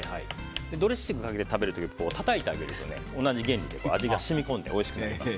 ドレッシングをかけて食べる時にたたいてあげると、同じ原理で味が染み込んでおいしくなります。